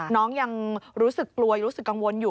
น้องยังรู้สึกกลัวรู้สึกกังวลอยู่